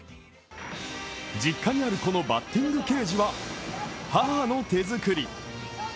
実家にあるこのバッティングケージは母の手作り。